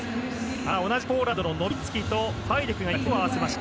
同じポーランドのノビツキとファイデクが手を合わせました。